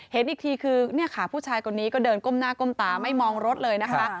เห็นอีกทีคือเนี่ยค่ะผู้ชายคนนี้ก็เดินก้มหน้าก้มตาไม่มองรถเลยนะคะ